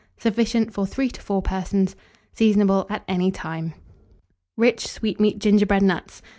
Sufficient for 3 or 4 persons. Seasonable at any time. RICH SWEETMEAT GINGERBREAD NUTS.